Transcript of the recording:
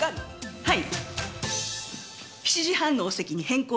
はい。